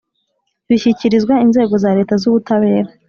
bishyikirizwa inzego za Leta z ubutabera